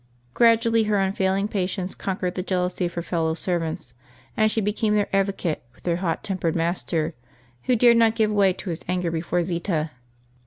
Gradually her unfail ing patience conquered the jealousy of her fellow servants, and she became their advocate with their hot tempered master, who dared not give way to his anger before Zita.